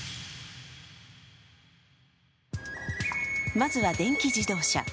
まずは電気自動車。